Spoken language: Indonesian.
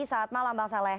selamat malam bang saleh